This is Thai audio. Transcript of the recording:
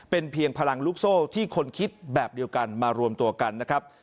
เป็นเพียงพลังลูกโซ่ที่คนคิดแบบเดียวกันมารวมตัวกันนะครับ